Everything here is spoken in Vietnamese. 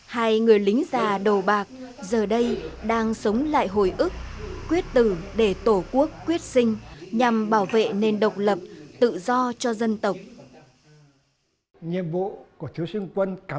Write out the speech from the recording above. hai người lính già đồ bạc giờ đây đang sống lại hồi ức quyết tử để tổ quốc quyết sinh nhằm bảo vệ nền độc lập tự do cho dân tộc